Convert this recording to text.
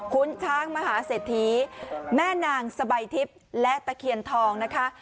คุณช้างมหาเศรษฐีแม่นางสบายทิพย์และตะเคียนทองนะคะ